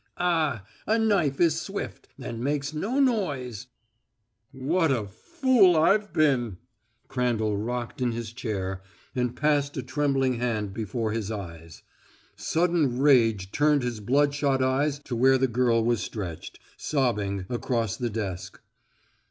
Ah, a knife is swift and makes no noise " "What a fool I've been!" Crandall rocked in his chair, and passed a trembling hand before his eyes. Sudden rage turned his bloodshot eyes to where the girl was stretched, sobbing, across the desk.